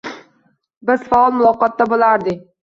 Biz faol muloqotda bo‘lardik.